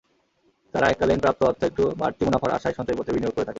তাঁরা এককালীন প্রাপ্ত অর্থ একটু বাড়তি মুনাফার আশায় সঞ্চয়পত্রে বিনিয়োগ করে থাকেন।